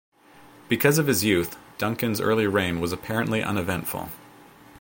Because of his youth, Duncan's early reign was apparently uneventful.